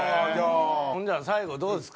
ほんじゃ最後どうですか？